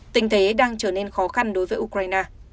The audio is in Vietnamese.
tình thế đang trở nên khó khăn đối với ukraine